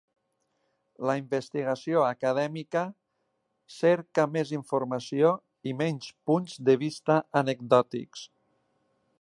La investigació acadèmica cerca més informació i menys punts de vista anecdòtics.